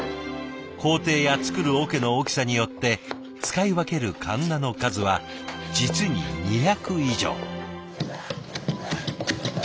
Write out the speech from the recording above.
工程や作る桶の大きさによって使い分けるかんなの数は実に２００以上。